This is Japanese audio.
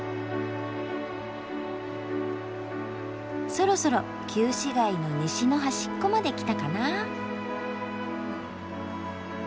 そろそろ旧市街の西の端っこまできたかな。